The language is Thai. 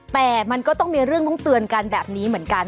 แต่มันก็ต้องมีเรื่องต้องเตือนกันแบบนี้เหมือนกัน